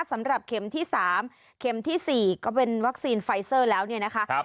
สำหรับเข็มที่๓เข็มที่๔ก็เป็นวัคซีนไฟเซอร์แล้วเนี่ยนะคะ